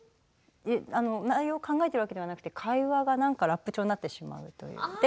内容を考えているわけではなくて会話がラップになってしまう。